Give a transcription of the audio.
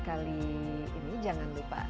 kali ini jangan lupa